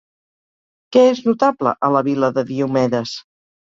Què és notable a la Vil·la de Diomedes?